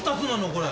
これ。